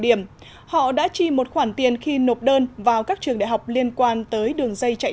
điểm họ đã chi một khoản tiền khi nộp đơn vào các trường đại học liên quan tới đường dây chạy